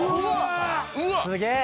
すげえ！